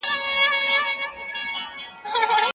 ولي د نورو بریاوو ته کتل زموږ خوښي وژني؟